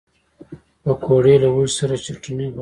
پکورې له هوږې سره چټني غواړي